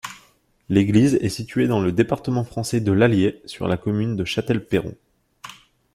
L'église est située dans le département français de l'Allier, sur la commune de Châtelperron.